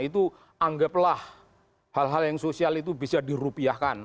itu anggaplah hal hal yang sosial itu bisa dirupiahkan